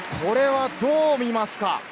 稀哲さん、これはどう見ますか？